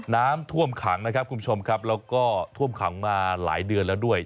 น้ำท่วมขังนะครับคุณผู้ชมครับแล้วก็ท่วมขังมาหลายเดือนแล้วด้วย